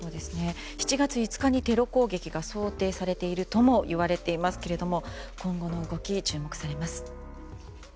７月５日にテロ攻撃が想定されているともいわれていますけれども今後の動き、注目されます。